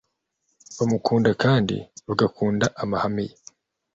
bamukunda kandi bagakunda amahame ye